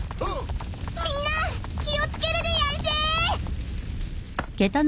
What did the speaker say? みんな気を付けるでやんす！！